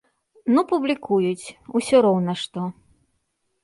Ну, публікуюць, усё роўна што.